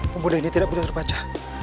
pemuda ini tidak begitu terbaca